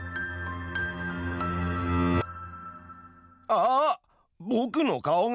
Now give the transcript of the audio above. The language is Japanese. あっぼくの顔が！